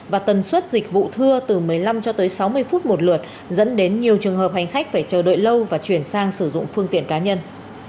và tần suất dịch vụ thưa từ một mươi năm cho tới sáu mươi phút một lượt dẫn đến nhiều trường hợp hành khách phải chờ đợi lâu và chuyển sang sử dụng phương tiện cá nhân